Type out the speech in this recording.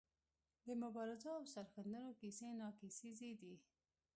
د مبارزو او سرښندنو کیسې ناکیسیزې دي.